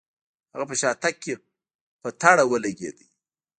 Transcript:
هغه په شاتګ کې په تړه ولګېد.